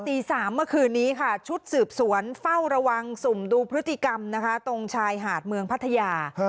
ตีสามเมื่อคืนนี้ค่ะชุดสืบสวนฟ่าวระวังสู่ดูพฤติกรรมตรงชายหาดเมืองภัทยา